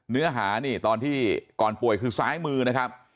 เนื้อหานี่ตอนที่ก่อนป่วยคือซ้ายมือนะครับ